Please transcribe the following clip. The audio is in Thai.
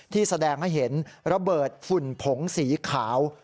แสดงให้เห็นระเบิดฝุ่นผงสีขาว